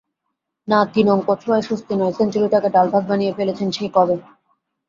না, তিন অঙ্ক ছোঁয়ার স্বস্তি নয়, সেঞ্চুরিটাকে ডাল-ভাত বানিয়ে ফেলেছেন সেই কবে।